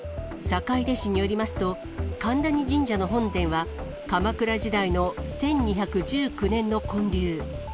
坂出市によりますと、神谷神社の本殿は、鎌倉時代の１２１９年の建立。